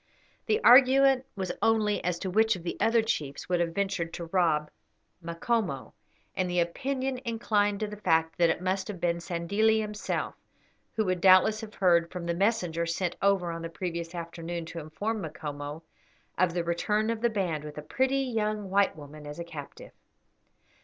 The argument was only as to which of the other chiefs would have ventured to rob Macomo, and the opinion inclined to the fact that it must have been Sandilli himself, who would doubtless have heard, from the messenger sent over on the previous afternoon to inform Macomo, of the return of the band with a pretty young white woman as a captive.